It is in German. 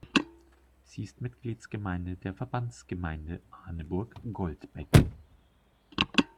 Sie ist Mitgliedsgemeinde der Verbandsgemeinde Arneburg-Goldbeck.